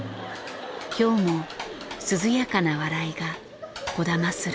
今日も涼やかな笑いがこだまする。